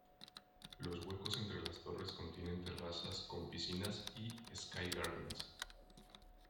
Los huecos entre las torres contienen terrazas con piscinas y "sky gardens".